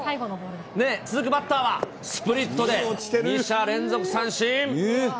続くバッターは、スプリットで、２者連続三振。